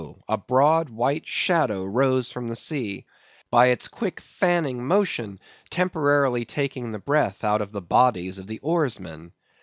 a broad white shadow rose from the sea; by its quick, fanning motion, temporarily taking the breath out of the bodies of the oarsmen.